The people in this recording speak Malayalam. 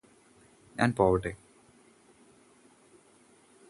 ഞാന് പോവട്ടെ